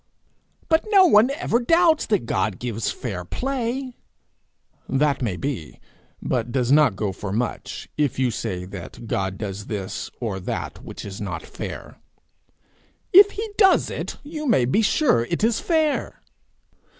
'But no one ever doubts that God gives fair play!' 'That may be but does not go for much, if you say that God does this or that which is not fair.' 'If he does it, you may be sure it is fair.'